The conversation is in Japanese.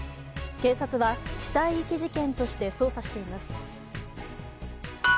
警察は死体遺棄事件として捜査しています。